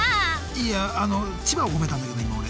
いやあの千葉を褒めたんだけど今俺。